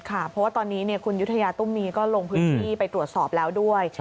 เพราะว่าตอนนี้คุณยุธยาตุ้มมีก็ลงพื้นที่ไปตรวจสอบแล้วด้วย